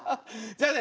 じゃあね